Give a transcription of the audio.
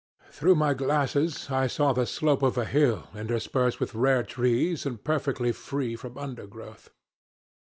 "Through my glasses I saw the slope of a hill interspersed with rare trees and perfectly free from undergrowth.